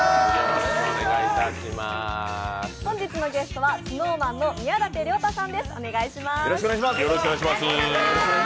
本日のゲストはＳｎｏｗＭａｎの宮舘涼太さんです。